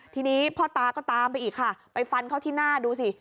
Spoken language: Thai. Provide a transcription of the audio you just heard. ทีนี้พ่อตาก็ตามไปอีกค่ะไปฟันเขาที่หน้าดูสิ